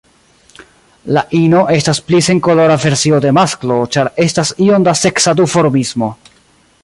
La ino estas pli senkolora versio de masklo, ĉar estas iom da seksa duformismo.